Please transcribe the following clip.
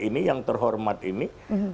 ini yang terhormat ini